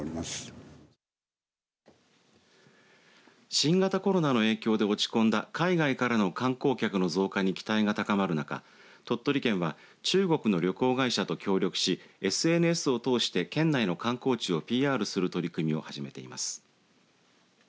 新型コロナの影響で落ち込んだ海外からの観光客の増加に期待が高まる中鳥取県は中国の旅行会社と協力しＳＮＳを通して県内の観光地をＰＲする取り組みを始めています。